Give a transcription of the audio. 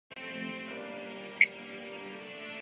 مسلم لیگ کا دستور باقاعدہ طور پر امرتسر میں منظور ہوا